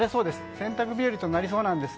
洗濯日和となりそうなんです。